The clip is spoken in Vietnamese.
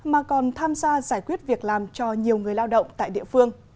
mà còn tham gia giải quyết việc làm cho nhiều người lao động tại địa phương